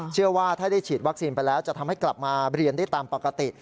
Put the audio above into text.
เชื่อว่าถ้าได้ฉีดวัคซีนไปแล้วจะทำให้กลับมาเรียนได้ตามปกติ